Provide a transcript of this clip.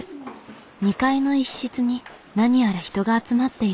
２階の１室に何やら人が集まっている。